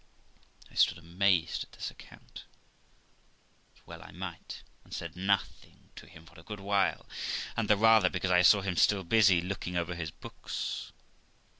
I stood amazed at this account, as well I might, and said nothing to him for a good while, and the rather because I saw him still busy looking over his books.